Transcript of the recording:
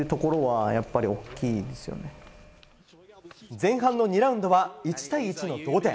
前半の２ラウンドは１対１の同点。